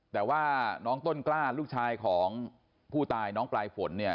แต่ว่าน้องต้นกล้าลูกชายของผู้ตายน้องปลายฝนเนี่ย